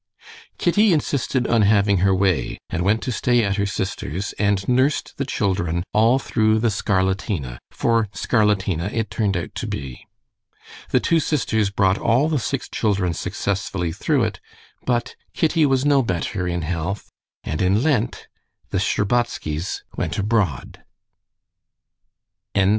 Kitty insisted on having her way, and went to stay at her sister's and nursed the children all through the scarlatina, for scarlatina it turned out to be. The two sisters brought all the six children successfully through it, but Kitty was no better in health, and in Lent the Shtcherbatskys went abroad.